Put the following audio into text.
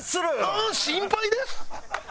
ああ心配です！